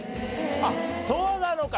あっそうなのか！